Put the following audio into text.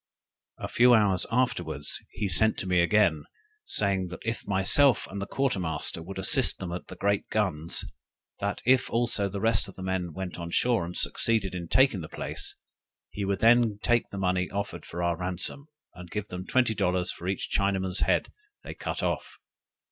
A few hours afterwards he sent to me again, saying, that if myself and the quarter master would assist them at the great guns, that if also the rest of the men went on shore and succeeded in taking the place, he would then take the money offered for our ransom, and give them twenty dollars for every Chinaman's head they cut off.